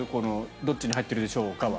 どっちに入ってるでしょうか？